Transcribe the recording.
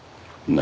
何？